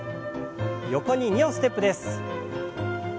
横に２歩ステップです。